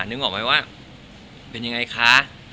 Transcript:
นึกออกไหมว่าเป็นยังไงคะ